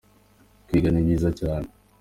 kwiga nibyiza cyane